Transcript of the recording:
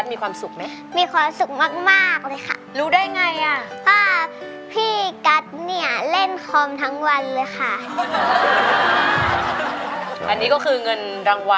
อันนี้มันพิเศษยังไงบ้างคะ